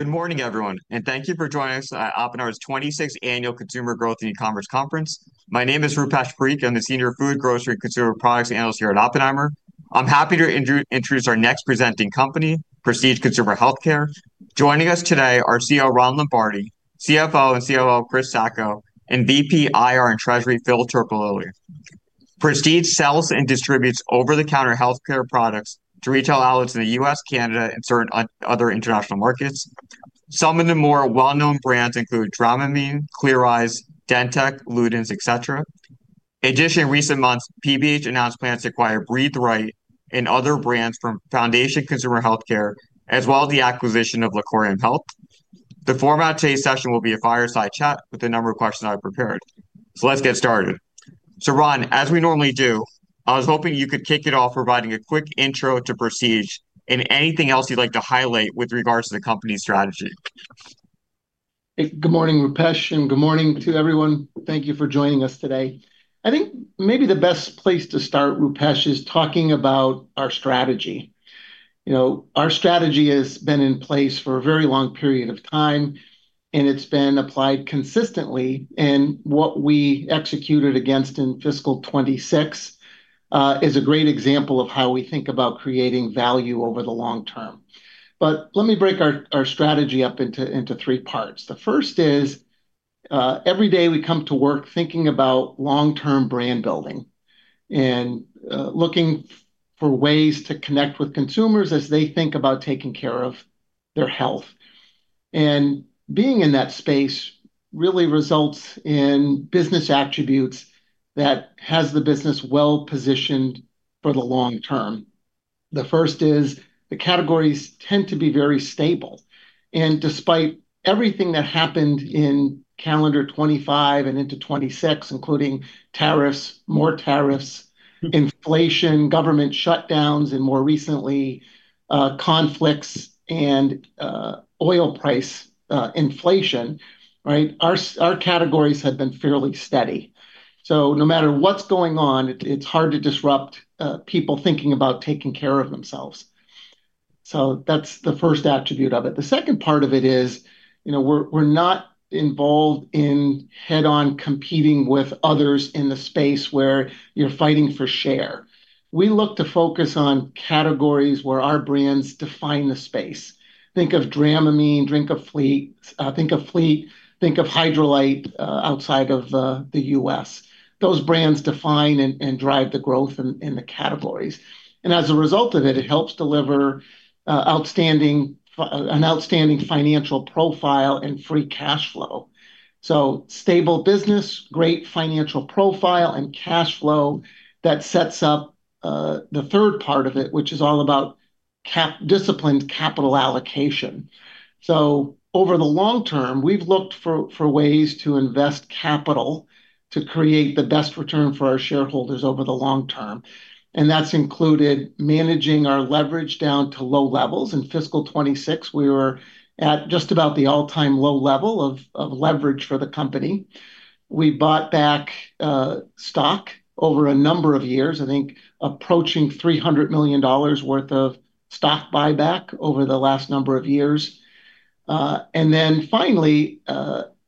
Good morning, everyone, thank you for joining us at Oppenheimer's 26th Annual Consumer Growth & E-commerce Conference. My name is Rupesh Parikh. I'm the Senior Food, Grocery, Consumer Products Analyst here at Oppenheimer. I'm happy to introduce our next presenting company, Prestige Consumer Healthcare. Joining us today are CEO Ron Lombardi, CFO and COO Chris Sacco, and VP, IR and Treasury, Phil Terpolilli. Prestige sells and distributes over-the-counter healthcare products to retail outlets in the U.S., Canada, and certain other international markets. Some of the more well-known brands include Dramamine, Clear Eyes, DenTek, Luden's, et cetera. In addition, in recent months, PBH announced plans to acquire Breathe Right and other brands from Foundation Consumer Healthcare, as well as the acquisition of LaCorium Health. The format of today's session will be a fireside chat with a number of questions I prepared. Let's get started. Ron, as we normally do, I was hoping you could kick it off providing a quick intro to Prestige and anything else you'd like to highlight with regards to the company's strategy. Good morning, Rupesh, Good morning to everyone. Thank you for joining us today. I think maybe the best place to start, Rupesh, is talking about our strategy. Our strategy has been in place for a very long period of time, It's been applied consistently. What we executed against in fiscal 2026, is a great example of how we think about creating value over the long term. Let me break our strategy up into three parts. The first is, every day we come to work thinking about long-term brand building and looking for ways to connect with consumers as they think about taking care of their health. Being in that space really results in business attributes that has the business well-positioned for the long term. The first is the categories tend to be very stable. Despite everything that happened in calendar 2025 and into 2026, including tariffs, more tariffs, inflation, government shutdowns, and more recently, conflicts and oil price inflation. Our categories have been fairly steady. No matter what's going on, it's hard to disrupt people thinking about taking care of themselves. That's the first attribute of it. The second part of it is, we're not involved in head-on competing with others in the space where you're fighting for share. We look to focus on categories where our brands define the space. Think of Dramamine, think of Fleet, think of Hydralyte outside of the U.S. Those brands define and drive the growth in the categories. As a result of it helps deliver an outstanding financial profile and free cash flow. Stable business, great financial profile, and cash flow that sets up the third part of it, which is all about disciplined capital allocation. Over the long term, we've looked for ways to invest capital to create the best return for our shareholders over the long term, and that's included managing our leverage down to low levels. In fiscal 2026, we were at just about the all-time low level of leverage for the company. We bought back stock over a number of years, I think approaching $300 million worth of stock buyback over the last number of years. Finally,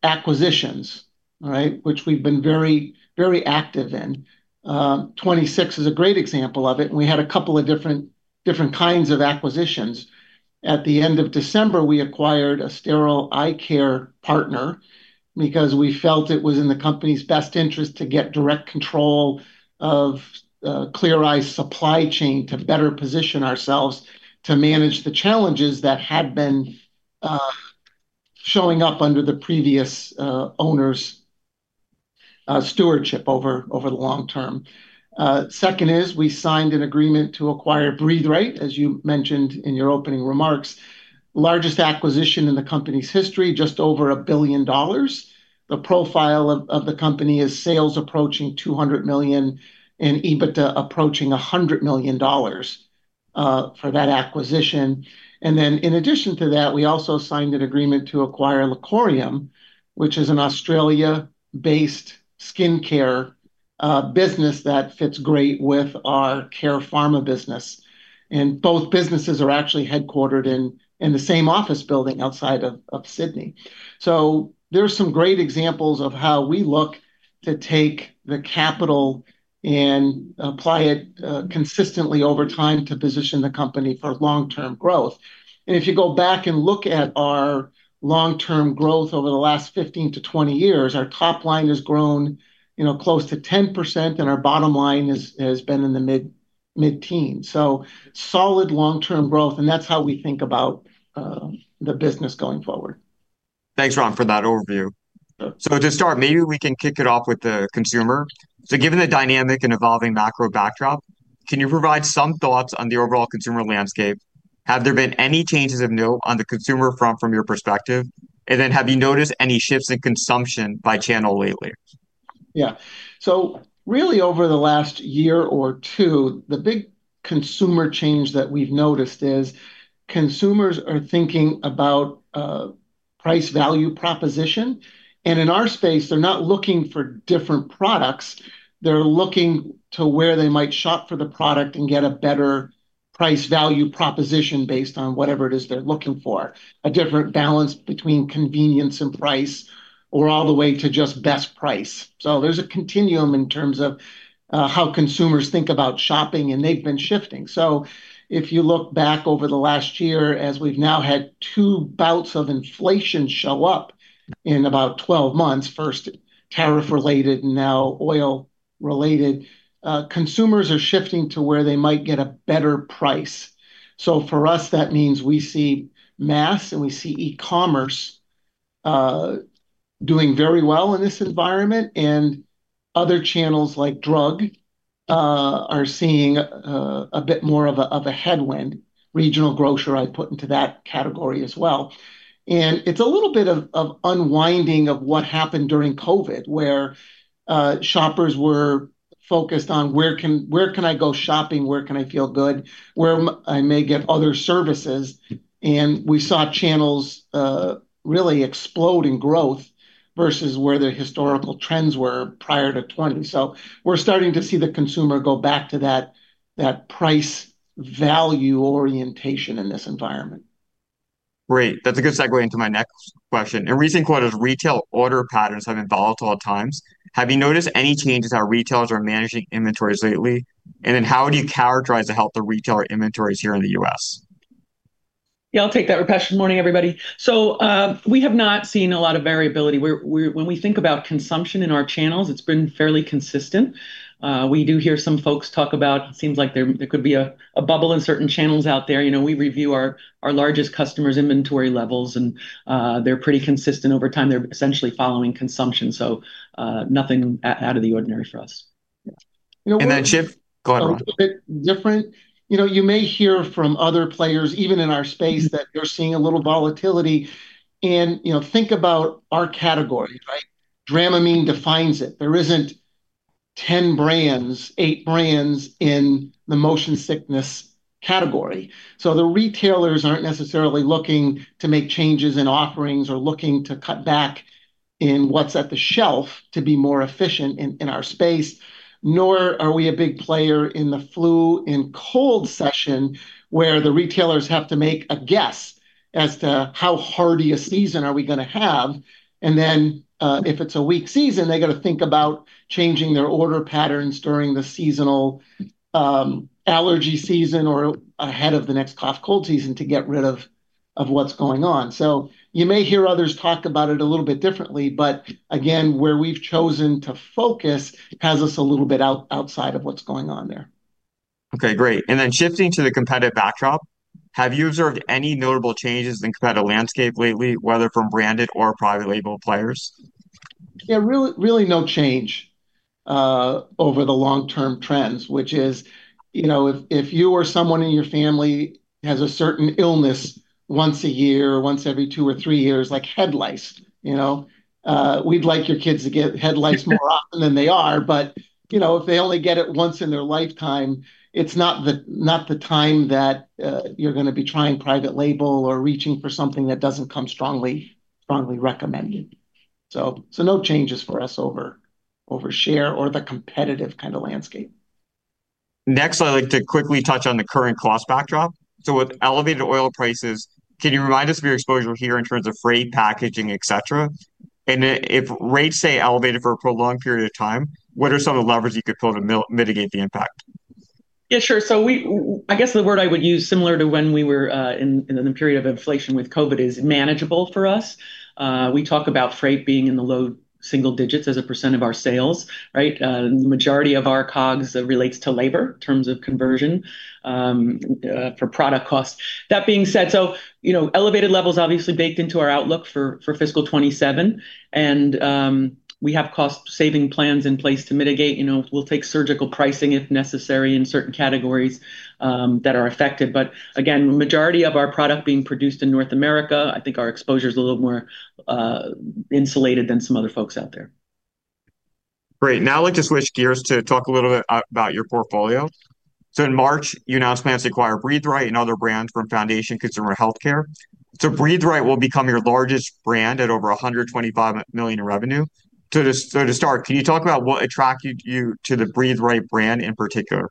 acquisitions which we've been very active in. 2026 is a great example of it, and we had a couple of different kinds of acquisitions. At the end of December, we acquired a sterile eye care partner because we felt it was in the company's best interest to get direct control of Clear Eyes' supply chain to better position ourselves to manage the challenges that had been showing up under the previous owner's stewardship over the long term. Second is we signed an agreement to acquire Breathe Right, as you mentioned in your opening remarks. Largest acquisition in the company's history, just over $1 billion. The profile of the company is sales approaching $200 million and EBITDA approaching $100 million for that acquisition. In addition to that, we also signed an agreement to acquire LaCorium Health, which is an Australia-based skincare business that fits great with our Care Pharmaceuticals business. Both businesses are actually headquartered in the same office building outside of Sydney. There are some great examples of how we look to take the capital and apply it consistently over time to position the company for long-term growth. If you go back and look at our long-term growth over the last 15 to 20 years, our top line has grown close to 10%, and our bottom line has been in the mid-teens. Solid long-term growth, and that's how we think about the business going forward. Thanks, Ron, for that overview. To start, maybe we can kick it off with the consumer. Given the dynamic and evolving macro backdrop, can you provide some thoughts on the overall consumer landscape? Have there been any changes of note on the consumer front from your perspective? Have you noticed any shifts in consumption by channel lately? Yeah. Really over the last year or two, the big consumer change that we've noticed is consumers are thinking about price value proposition. In our space, they're not looking for different products, they're looking to where they might shop for the product and get a better price value proposition based on whatever it is they're looking for. A different balance between convenience and price or all the way to just best price. There's a continuum in terms of how consumers think about shopping, and they've been shifting. If you look back over the last year, as we've now had two bouts of inflation show up in about 12 months, first tariff-related, now oil-related. Consumers are shifting to where they might get a better price. For us, that means we see mass and we see e-commerce doing very well in this environment. Other channels like drug are seeing a bit more of a headwind. Regional grocer, I'd put into that category as well. It's a little bit of unwinding of what happened during COVID, where shoppers were focused on where can I go shopping, where can I feel good, where I may get other services. We saw channels really explode in growth versus where the historical trends were prior to 2020. We're starting to see the consumer go back to that price value orientation in this environment. Great. That's a good segue into my next question. In recent quarters, retail order patterns have been volatile at times. Have you noticed any changes how retailers are managing inventories lately? How would you characterize the health of retailer inventories here in the U.S.? Yeah, I'll take that, Rupesh. Morning, everybody. We have not seen a lot of variability. When we think about consumption in our channels, it's been fairly consistent. We do hear some folks talk about it seems like there could be a bubble in certain channels out there. We review our largest customers' inventory levels, and they're pretty consistent over time. They're essentially following consumption, so nothing out of the ordinary for us. Go ahead, Ron. A bit different. You may hear from other players, even in our space, that they're seeing a little volatility. Think about our category, right. Dramamine defines it. There isn't 10 brands, eight brands in the motion sickness category. The retailers aren't necessarily looking to make changes in offerings or looking to cut back in what's at the shelf to be more efficient in our space. Nor are we a big player in the flu and cold session, where the retailers have to make a guess as to how hardy a season are we going to have. If it's a weak season, they got to think about changing their order patterns during the seasonal allergy season or ahead of the next cough cold season to get rid of what's going on. You may hear others talk about it a little bit differently, but again, where we've chosen to focus has us a little bit outside of what's going on there. Okay, great. Shifting to the competitive backdrop, have you observed any notable changes in competitive landscape lately, whether from branded or private label players? Really no change over the long-term trends, which is if you or someone in your family has a certain illness once a year, once every two or three years, like head lice. We'd like your kids to get head lice more often than they are, but if they only get it once in their lifetime, it's not the time that you're going to be trying private label or reaching for something that doesn't come strongly recommended. No changes for us over share or the competitive kind of landscape. Next, I'd like to quickly touch on the current cost backdrop. With elevated oil prices, can you remind us of your exposure here in terms of freight, packaging, et cetera? If rates stay elevated for a prolonged period of time, what are some of the levers you could pull to mitigate the impact? Sure. I guess the word I would use, similar to when we were in the period of inflation with COVID, is manageable for us. We talk about freight being in the low single digits as a % of our sales, right? The majority of our COGS relates to labor in terms of conversion for product costs. That being said, elevated levels obviously baked into our outlook for fiscal 2027. We have cost saving plans in place to mitigate. We'll take surgical pricing if necessary in certain categories that are affected. Again, majority of our product being produced in North America, I think our exposure's a little more insulated than some other folks out there. Great. Now I'd like to switch gears to talk a little bit about your portfolio. In March, you announced plans to acquire Breathe Right and other brands from Foundation Consumer Healthcare. Breathe Right will become your largest brand at over $125 million in revenue. To start, can you talk about what attracted you to the Breathe Right brand in particular?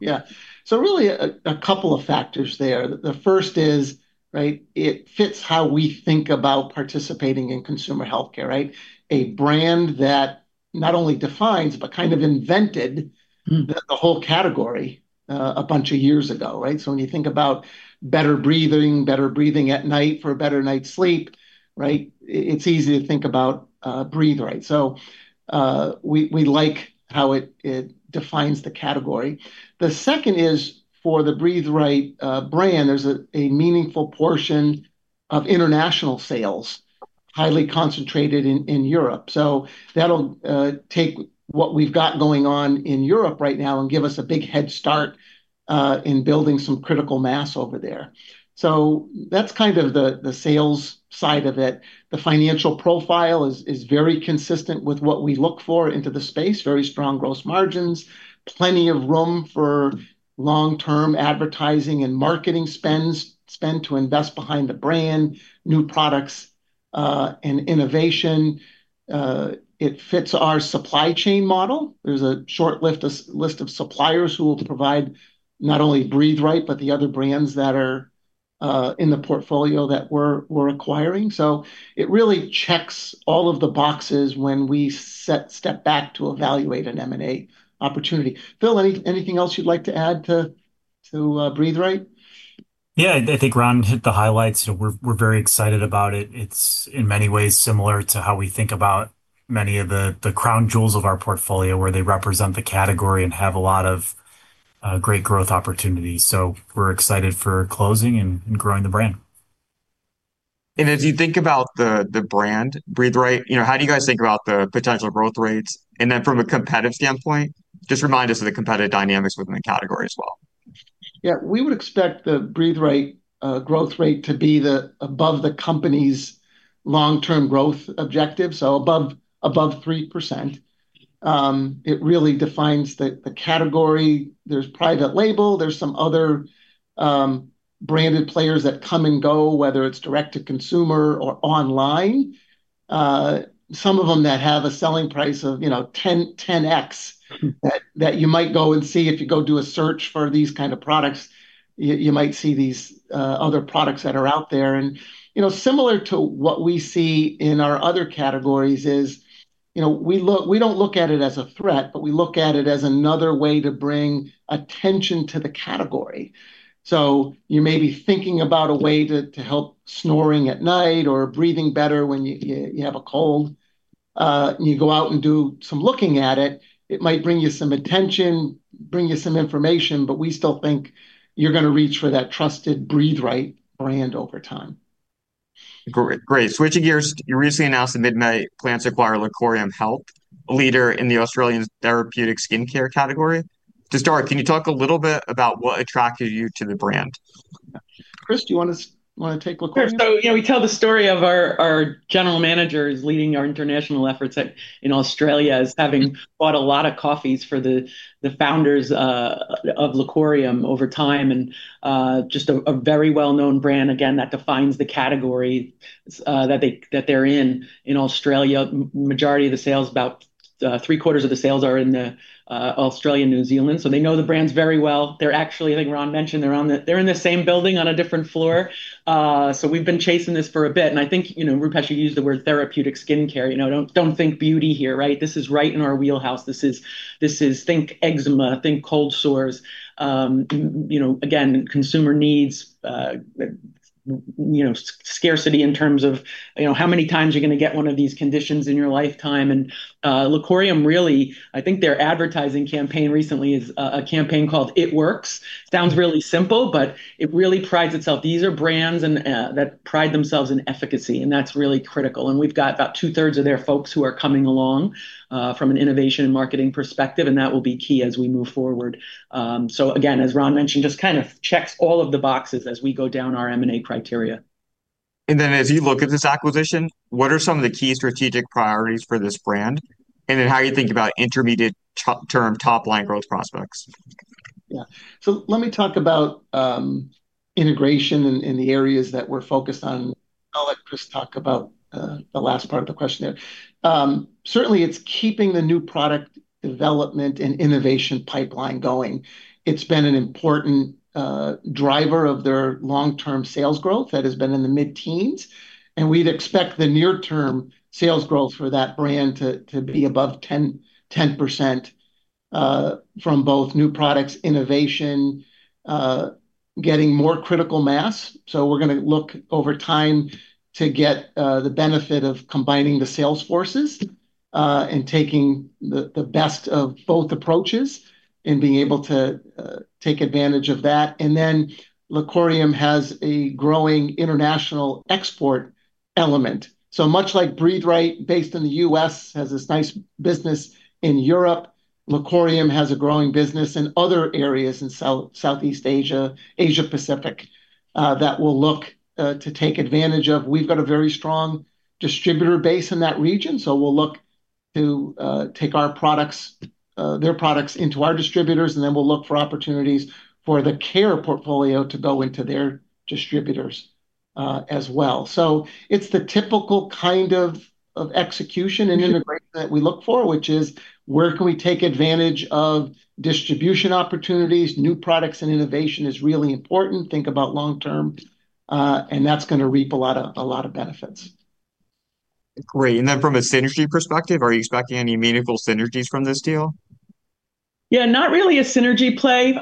Yeah. Really, a couple of factors there. The first is, it fits how we think about participating in consumer healthcare. A brand that not only defines, but kind of invented the whole category a bunch of years ago. When you think about better breathing, better breathing at night for a better night's sleep, it's easy to think about Breathe Right. We like how it defines the category. The second is for the Breathe Right brand, there's a meaningful portion of international sales, highly concentrated in Europe. That'll take what we've got going on in Europe right now and give us a big head start in building some critical mass over there. That's kind of the sales side of it. The financial profile is very consistent with what we look for into the space. Very strong gross margins, plenty of room for long-term advertising and marketing spend to invest behind the brand, new products and innovation. It fits our supply chain model. There's a short list of suppliers who will provide not only Breathe Right, but the other brands that are in the portfolio that we're acquiring. It really checks all of the boxes when we step back to evaluate an M&A opportunity. Phil, anything else you'd like to add to Breathe Right? Yeah, I think Ron hit the highlights. We're very excited about it. It's in many ways similar to how we think about many of the crown jewels of our portfolio, where they represent the category and have a lot of great growth opportunities. We're excited for closing and growing the brand. As you think about the brand Breathe Right, how do you guys think about the potential growth rates? From a competitive standpoint, just remind us of the competitive dynamics within the category as well. We would expect the Breathe Right growth rate to be above the company's long-term growth objective, so above 3%. It really defines the category. There's private label, there's some other branded players that come and go, whether it's direct to consumer or online. Some of them that have a selling price of 10x that you might go and see if you go do a search for these kind of products, you might see these other products that are out there. Similar to what we see in our other categories is we don't look at it as a threat, but we look at it as another way to bring attention to the category. You may be thinking about a way to help snoring at night or breathing better when you have a cold. You go out and do some looking at it might bring you some attention, bring you some information, we still think you're going to reach for that trusted Breathe Right brand over time. Great. Switching gears, you recently announced that PBH plans to acquire LaCorium Health, a leader in the Australian therapeutic skincare category. To start, can you talk a little bit about what attracted you to the brand? Chris, do you want to take LaCorium Health? We tell the story of our general managers leading our international efforts in Australia as having bought a lot of coffees for the founders of LaCorium Health over time and just a very well-known brand, again, that defines the category that they're in in Australia. Majority of the sales, about three-quarters of the sales are in Australia and New Zealand, so they know the brands very well. They're actually, I think Ron mentioned, they're in the same building on a different floor. We've been chasing this for a bit, and I think, Rupesh, you used the word therapeutic skincare. Don't think beauty here, right? This is right in our wheelhouse. This is think eczema, think cold sores. Again, consumer needs scarcity in terms of how many times you're going to get one of these conditions in your lifetime. LaCorium Health, really, I think their advertising campaign recently is a campaign called It Works. Sounds really simple, but it really prides itself. These are brands that pride themselves in efficacy, and that's really critical. We've got about two-thirds of their folks who are coming along from an innovation and marketing perspective, and that will be key as we move forward. Again, as Ron mentioned, just kind of checks all of the boxes as we go down our M&A criteria. As you look at this acquisition, what are some of the key strategic priorities for this brand? How are you thinking about intermediate term top line growth prospects? Yeah. Let me talk about integration in the areas that we're focused on. I'll let Chris talk about the last part of the question there. Certainly, it's keeping the new product development and innovation pipeline going. It's been an important driver of their long-term sales growth that has been in the mid-teens, and we'd expect the near-term sales growth for that brand to be above 10% from both new products, innovation, getting more critical mass. We're going to look over time to get the benefit of combining the sales forces and taking the best of both approaches and being able to take advantage of that. LaCorium Health has a growing international export element. Much like Breathe Right, based in the U.S., has this nice business in Europe, LaCorium Health has a growing business in other areas in Southeast Asia Pacific, that we'll look to take advantage of. We've got a very strong distributor base in that region, we'll look to take their products into our distributors, and then we'll look for opportunities for the Care Pharmaceuticals portfolio to go into their distributors as well. It's the typical kind of execution and integration that we look for, which is where can we take advantage of distribution opportunities, new products and innovation is really important. Think about long-term, and that's going to reap a lot of benefits. Great. From a synergy perspective, are you expecting any meaningful synergies from this deal? Not really a synergy play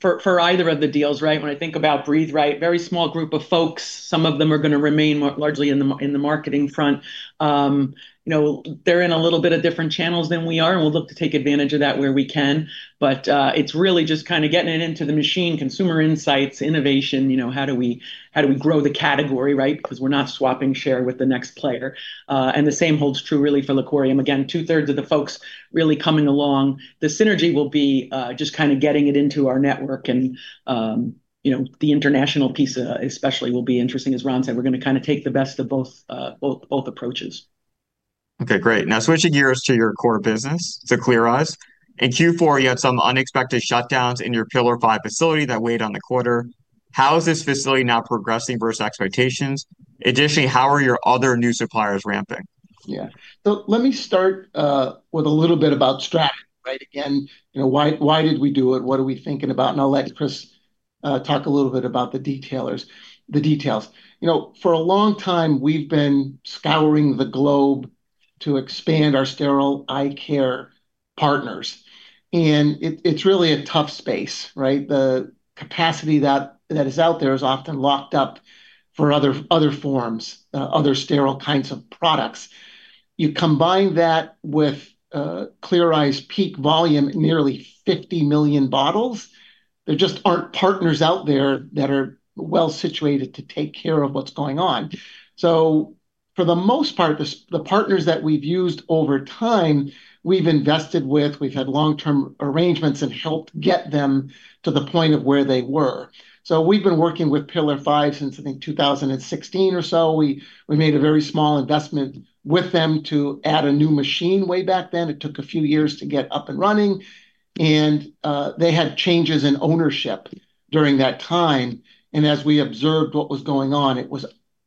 for either of the deals, right? When I think about Breathe Right, very small group of folks. Some of them are going to remain largely in the marketing front. They're in a little bit of different channels than we are, and we'll look to take advantage of that where we can. It's really just kind of getting it into the machine, consumer insights, innovation. How do we grow the category, right? Because we're not swapping share with the next player. The same holds true really for LaCorium Health. Again, two-thirds of the folks really coming along. The synergy will be just kind of getting it into our network, and the international piece especially will be interesting. As Ron said, we're going to kind of take the best of both approaches. Okay, great. Switching gears to your core business, to Clear Eyes. In Q4, you had some unexpected shutdowns in your Pillar5 Pharma facility that weighed on the quarter. How is this facility now progressing versus expectations? How are your other new suppliers ramping? Yeah. Let me start with a little bit about strategy, right? Again, why did we do it? What are we thinking about? I'll let Chris talk a little bit about the details. For a long time, we've been scouring the globe to expand our sterile eye care partners, and it's really a tough space, right? The capacity that is out there is often locked up for other forms, other sterile kinds of products. You combine that with Clear Eyes' peak volume, nearly 50 million bottles, there just aren't partners out there that are well-situated to take care of what's going on. For the most part, the partners that we've used over time, we've invested with, we've had long-term arrangements and helped get them to the point of where they were. We've been working with Pillar5 Pharma since, I think, 2016 or so. We made a very small investment with them to add a new machine way back then. It took a few years to get up and running, and they had changes in ownership during that time. As we observed what was going on, it was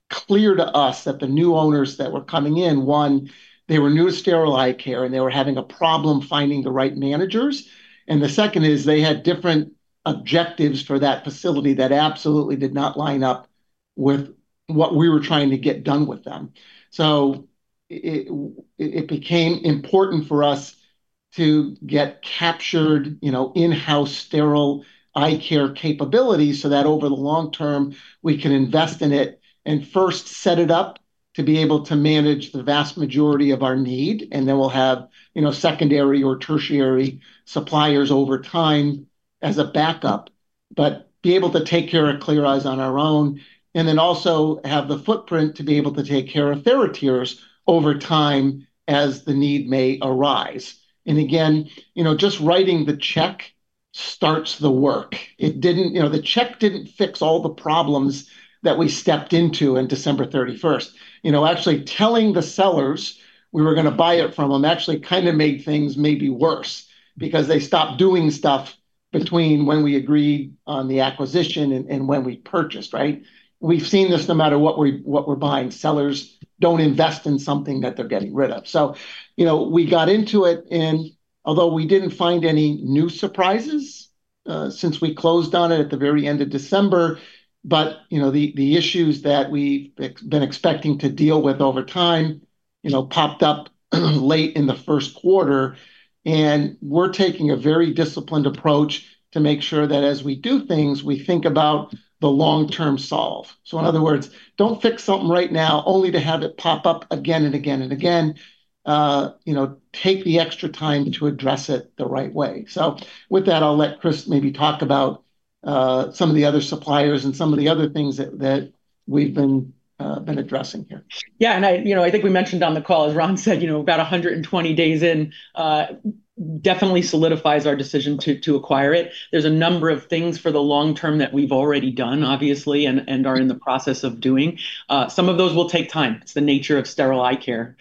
clear to us that the new owners that were coming in, one, they were new to sterile eye care, and they were having a problem finding the right managers. The second is they had different objectives for that facility that absolutely did not line up with what we were trying to get done with them. It became important for us to get captured, in-house sterile eye care capabilities so that over the long term, we can invest in it and first set it up to be able to manage the vast majority of our need. We'll have secondary or tertiary suppliers over time as a backup, but be able to take care of Clear Eyes on our own, and then also have the footprint to be able to take care of TheraTears over time as the need may arise. Again, just writing the check starts the work. The check didn't fix all the problems that we stepped into in December 31st. Actually telling the sellers we were going to buy it from them actually kind of made things maybe worse, because they stopped doing stuff between when we agreed on the acquisition and when we purchased, right? We've seen this no matter what we're buying. Sellers don't invest in something that they're getting rid of. We got into it, and although we didn't find any new surprises, since we closed on it at the very end of December, the issues that we've been expecting to deal with over time popped up late in the first quarter. We're taking a very disciplined approach to make sure that as we do things, we think about the long-term solve. In other words, don't fix something right now only to have it pop up again and again and again. Take the extra time to address it the right way. With that, I'll let Chris maybe talk about some of the other suppliers and some of the other things that we've been addressing here. Yeah. I think we mentioned on the call, as Ron said, about 120 days in, definitely solidifies our decision to acquire it. There's a number of things for the long term that we've already done, obviously, and are in the process of doing. Some of those will take time. It's the nature of sterile eye care.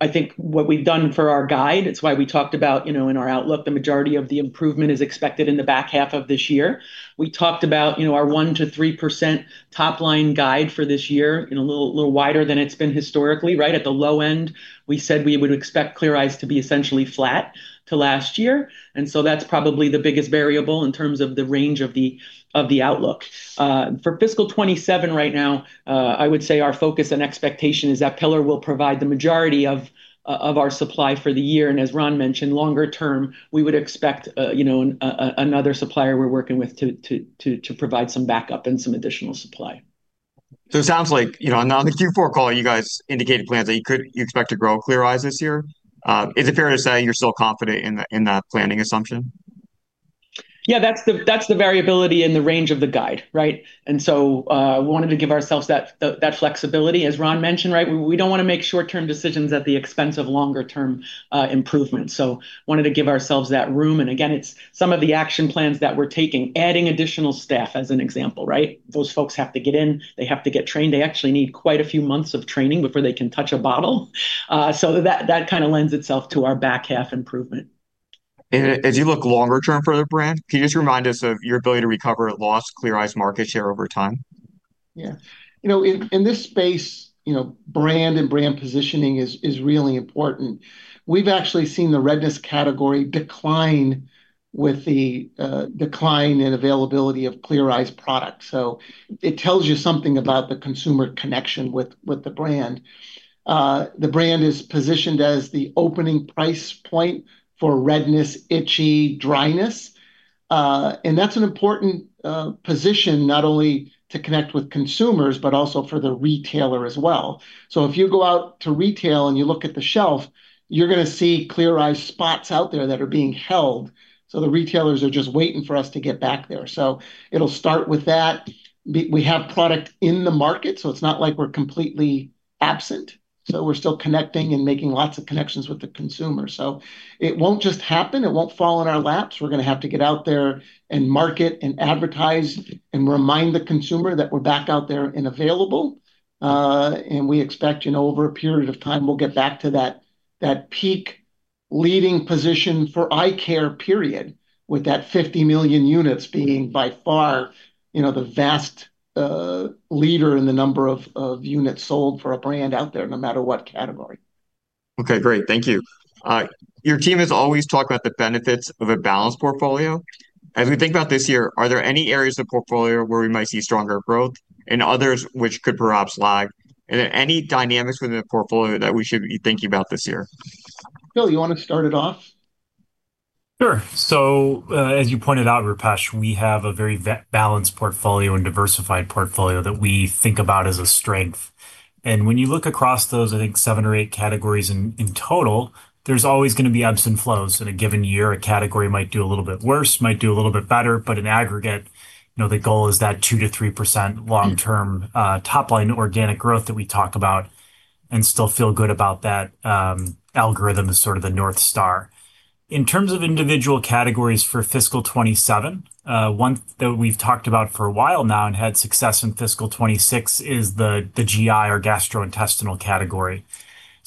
I think what we've done for our guide, it's why we talked about in our outlook, the majority of the improvement is expected in the back half of this year. We talked about our 1%-3% top-line guide for this year, a little wider than it's been historically, right at the low end. We said we would expect Clear Eyes to be essentially flat to last year, that's probably the biggest variable in terms of the range of the outlook. For fiscal 2027 right now, I would say our focus and expectation is that Pillar5 Pharma will provide the majority of our supply for the year. As Ron mentioned, longer term, we would expect another supplier we're working with to provide some backup and some additional supply. It sounds like on the Q4 call, you guys indicated plans that you expect to grow Clear Eyes this year. Is it fair to say you're still confident in that planning assumption? Yeah, that's the variability in the range of the guide, right? We wanted to give ourselves that flexibility. As Ron mentioned, we don't want to make short-term decisions at the expense of longer-term improvement. We wanted to give ourselves that room. Again, it's some of the action plans that we're taking, adding additional staff as an example, right? Those folks have to get in. They have to get trained. They actually need quite a few months of training before they can touch a bottle. That kind of lends itself to our back half improvement. As you look longer term for the brand, can you just remind us of your ability to recover lost Clear Eyes market share over time? Yeah. In this space, brand and brand positioning is really important. We've actually seen the redness category decline with the decline in availability of Clear Eyes product. It tells you something about the consumer connection with the brand. The brand is positioned as the opening price point for redness, itchy, dryness. That's an important position not only to connect with consumers, but also for the retailer as well. If you go out to retail and you look at the shelf, you're going to see Clear Eyes spots out there that are being held. The retailers are just waiting for us to get back there. It'll start with that. We have product in the market, so it's not like we're completely absent. We're still connecting and making lots of connections with the consumer. It won't just happen. It won't fall in our laps. We're going to have to get out there and market and advertise and remind the consumer that we're back out there and available. We expect over a period of time, we'll get back to that peak leading position for eye care, period, with that 50 million units being by far the vast leader in the number of units sold for a brand out there, no matter what category. Okay, great. Thank you. Your team has always talked about the benefits of a balanced portfolio. As we think about this year, are there any areas of the portfolio where we might see stronger growth, and others which could perhaps lag? Are there any dynamics within the portfolio that we should be thinking about this year? Phil, you want to start it off? Sure. As you pointed out, Rupesh, we have a very balanced portfolio and diversified portfolio that we think about as a strength. When you look across those, I think, seven or eight categories in total, there's always going to be ebbs and flows. In a given year, a category might do a little bit worse, might do a little bit better. In aggregate, the goal is that 2%-3% long-term top-line organic growth that we talk about, still feel good about that algorithm as sort of the North Star. In terms of individual categories for fiscal 2027, one that we've talked about for a while now and had success in fiscal 2026 is the GI or gastrointestinal category.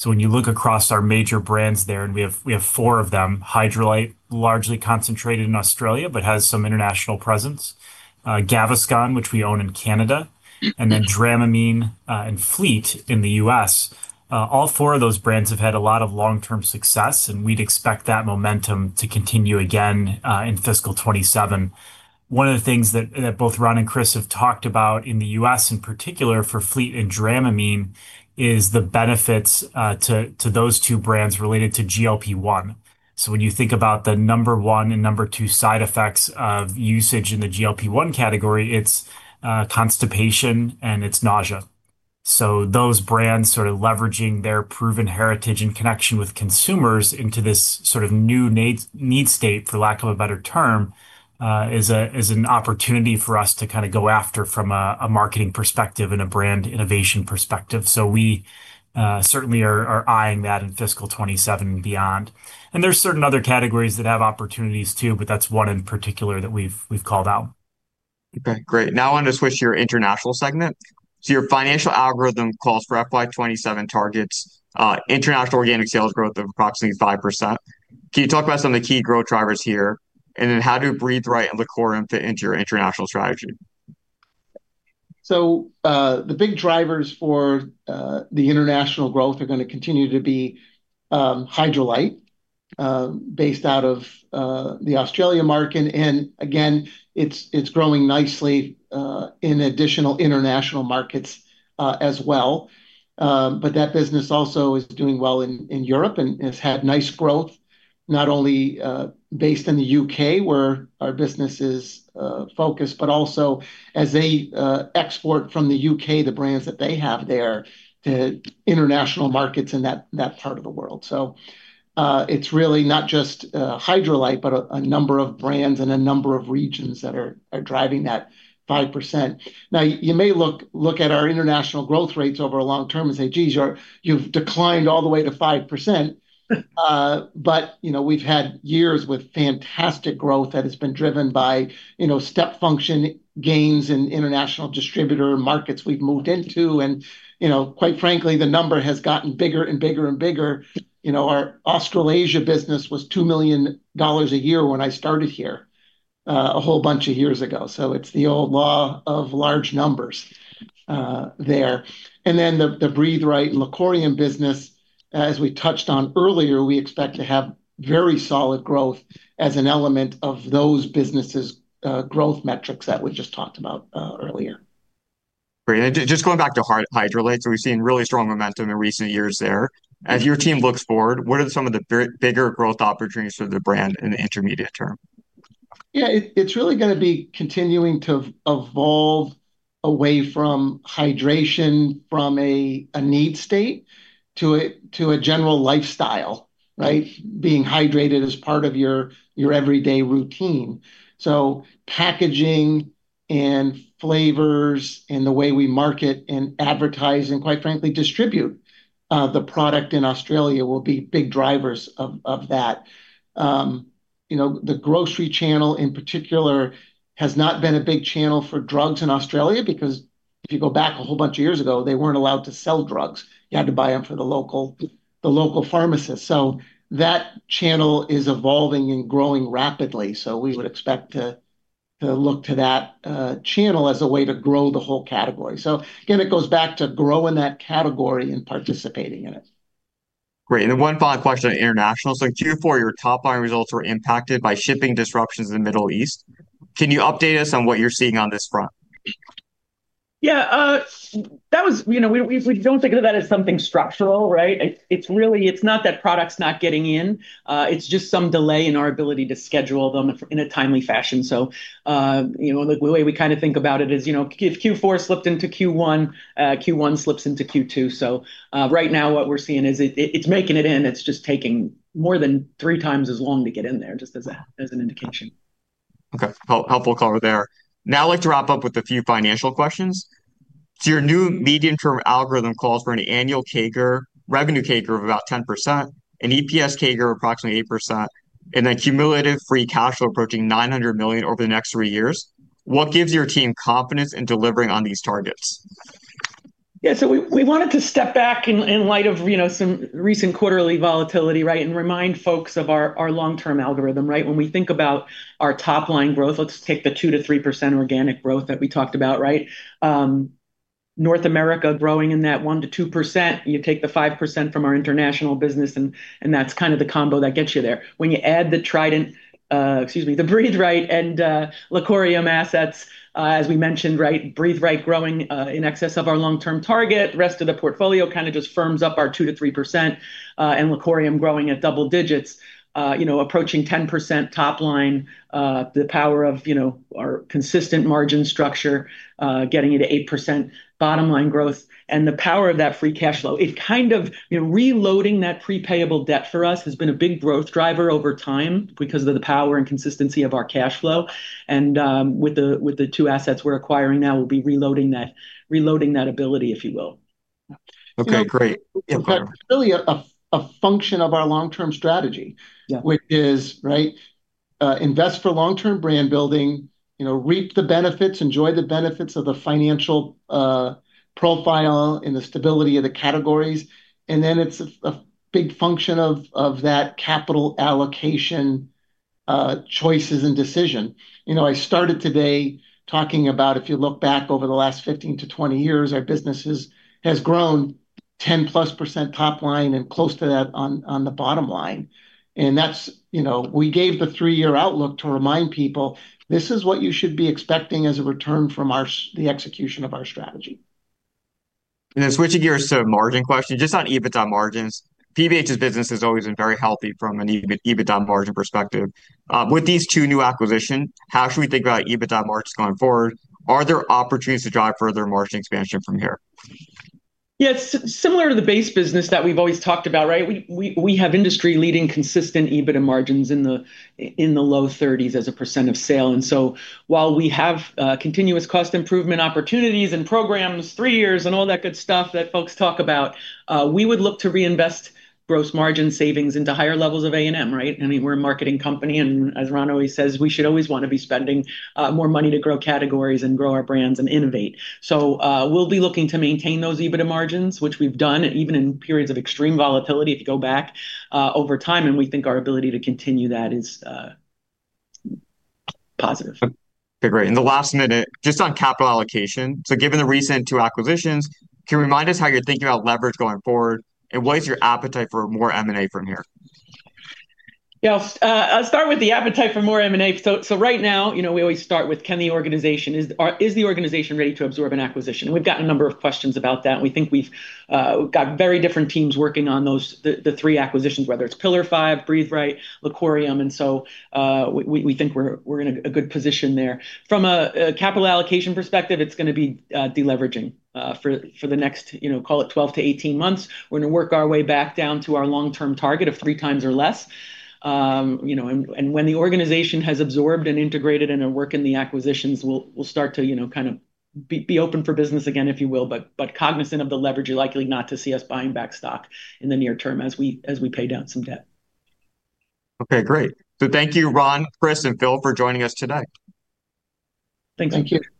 When you look across our major brands there, we have four of them, Hydralyte, largely concentrated in Australia, but has some international presence. Gaviscon, which we own in Canada, Dramamine and Fleet in the U.S. All four of those brands have had a lot of long-term success, we'd expect that momentum to continue again in fiscal 2027. One of the things that both Ron and Chris have talked about in the U.S., in particular for Fleet and Dramamine, is the benefits to those two brands related to GLP-1. When you think about the number 1 and number 2 side effects of usage in the GLP-1 category, it's constipation and it's nausea. Those brands leveraging their proven heritage and connection with consumers into this new need state, for lack of a better term, is an opportunity for us to go after from a marketing perspective and a brand innovation perspective. We certainly are eyeing that in fiscal 2027 and beyond. There's certain other categories that have opportunities too, that's one in particular that we've called out. Okay, great. I want to switch to your international segment. Your financial algorithm calls for FY 2027 targets, international organic sales growth of approximately 5%. Can you talk about some of the key growth drivers here, how do Breathe Right and LaCorium Health fit into your international strategy? The big drivers for the international growth are going to continue to be Hydralyte, based out of the Australia market. It's growing nicely in additional international markets as well. That business also is doing well in Europe and has had nice growth, not only based in the U.K. where our business is focused, but also as they export from the U.K., the brands that they have there to international markets in that part of the world. It's really not just Hydralyte, but a number of brands and a number of regions that are driving that 5%. You may look at our international growth rates over a long term and say, "Geez, you've declined all the way to 5%." We've had years with fantastic growth that has been driven by step function gains in international distributor markets we've moved into, quite frankly, the number has gotten bigger and bigger and bigger. Our Australasia business was $2 million a year when I started here a whole bunch of years ago. It's the old law of large numbers there. The Breathe Right and LaCorium Health business, as we touched on earlier, we expect to have very solid growth as an element of those businesses' growth metrics that we just talked about earlier. Just going back to Hydralyte. We've seen really strong momentum in recent years there. As your team looks forward, what are some of the bigger growth opportunities for the brand in the intermediate term? It's really going to be continuing to evolve away from hydration from a need state to a general lifestyle, right? Being hydrated as part of your everyday routine. Packaging and flavors and the way we market and advertise and, quite frankly, distribute the product in Australia will be big drivers of that. The grocery channel in particular has not been a big channel for drugs in Australia because if you go back a whole bunch of years ago, they weren't allowed to sell drugs. You had to buy them from the local pharmacist. That channel is evolving and growing rapidly. We would expect to look to that channel as a way to grow the whole category. Again, it goes back to growing that category and participating in it. Great. One final question on international. Q4, your top-line results were impacted by shipping disruptions in the Middle East. Can you update us on what you're seeing on this front? We don't think of that as something structural, right? It's not that product's not getting in. It's just some delay in our ability to schedule them in a timely fashion. The way we think about it is, if Q4 slipped into Q1 slips into Q2. Right now what we're seeing is it's making it in, it's just taking more than three times as long to get in there, just as an indication. Okay. Helpful color there. Now I'd like to wrap up with a few financial questions. Your new medium-term algorithm calls for an annual revenue CAGR of about 10%, an EPS CAGR of approximately 8%, and then cumulative free cash flow approaching $900 million over the next three years. What gives your team confidence in delivering on these targets? Yeah. We wanted to step back in light of some recent quarterly volatility, right? Remind folks of our long-term algorithm, right? When we think about our top-line growth, let's take the 2%-3% organic growth that we talked about, right? North America growing in that 1%-2%, you take the 5% from our international business, that's kind of the combo that gets you there. When you add the Trident, excuse me, the Breathe Right and LaCorium Health assets, as we mentioned, Breathe Right growing in excess of our long-term target. Rest of the portfolio kind of just firms up our 2%-3%, LaCorium Health growing at double digits, approaching 10% top line. The power of our consistent margin structure, getting you to 8% bottom-line growth and the power of that free cash flow. Reloading that pre-payable debt for us has been a big growth driver over time because of the power and consistency of our cash flow. With the two assets we're acquiring now, we'll be reloading that ability, if you will. Okay, great. It's really a function of our long-term strategy. Which is invest for long-term brand building, reap the benefits, enjoy the benefits of the financial profile and the stability of the categories. It's a big function of that capital allocation, choices, and decision. I started today talking about, if you look back over the last 15-20 years, our business has grown 10%+ top line and close to that on the bottom line. We gave the three-year outlook to remind people, this is what you should be expecting as a return from the execution of our strategy. Switching gears to a margin question, just on EBITDA margins. PBH's business has always been very healthy from an EBITDA margin perspective. With these two new acquisitions, how should we think about EBITDA margins going forward? Are there opportunities to drive further margin expansion from here? Yeah. Similar to the base business that we've always talked about, right? We have industry-leading, consistent EBITDA margins in the low 30s as a % of sale. While we have continuous cost improvement opportunities and programs, three years and all that good stuff that folks talk about, we would look to reinvest gross margin savings into higher levels of A&M, right? We're a marketing company, and as Ron always says, we should always want to be spending more money to grow categories and grow our brands and innovate. We'll be looking to maintain those EBITDA margins, which we've done even in periods of extreme volatility, if you go back over time. We think our ability to continue that is positive. Okay, great. In the last minute, just on capital allocation, given the recent two acquisitions, can you remind us how you're thinking about leverage going forward, and what is your appetite for more M&A from here? Yeah. I'll start with the appetite for more M&A. Right now, we always start with is the organization ready to absorb an acquisition? We've gotten a number of questions about that, and we think we've got very different teams working on the three acquisitions, whether it's Pillar5 Pharma, Breathe Right, LaCorium Health, and so, we think we're in a good position there. From a capital allocation perspective, it's going to be de-leveraging for the next call it 12 to 18 months. We're going to work our way back down to our long-term target of three times or less. When the organization has absorbed and integrated and are working the acquisitions, we'll start to kind of be open for business again, if you will. Cognizant of the leverage, you're likely not to see us buying back stock in the near term as we pay down some debt. Okay, great. Thank you, Ron, Chris, and Phil for joining us today. Thank you. Thank you. Thanks.